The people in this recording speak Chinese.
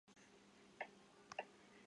莫雷特。